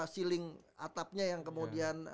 ceiling atapnya yang kemudian